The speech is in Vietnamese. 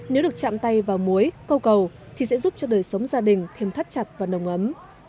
nếu được chạm tay vào muối câu cầu thì sẽ giúp cho đời sống gia đình thêm thắt chặt và nồng ấm